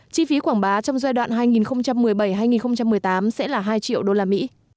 chi phí quảng bá trong giai đoạn hai nghìn một mươi bảy hai nghìn một mươi tám sẽ là hai triệu usd